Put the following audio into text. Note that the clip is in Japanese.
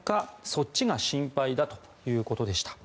そっちが心配だということでした。